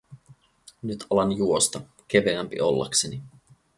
Nyt alan juosta, keveämpi ollakseni.